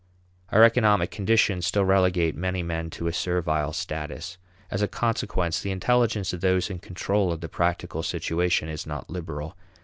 Our economic conditions still relegate many men to a servile status. As a consequence, the intelligence of those in control of the practical situation is not liberal.